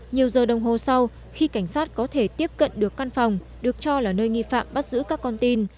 nhiều giờ đồng hồ sau khi cảnh sát có thể tiếp cận được căn phòng được cho là nơi nghi phạm bắt giữ các con tin